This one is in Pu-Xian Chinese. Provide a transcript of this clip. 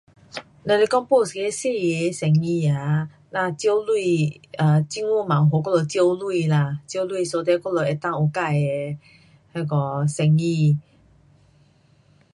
若是讲要有一个小个的生意啊，呐借钱政府嘛有给我们借钱啦。so that 我们能够用自的那个生意。